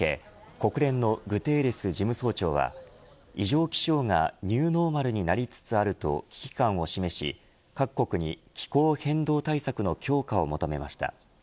国連のグテーレス事務総長は異常気象がニューノーマルになりつつあると危機感を示し、各国に気候変動対策の強化を求めました。